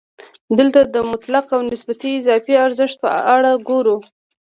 دلته د مطلق او نسبي اضافي ارزښت په اړه ګورو